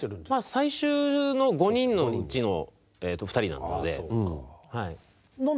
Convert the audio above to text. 最終の５人のうちの２人なので。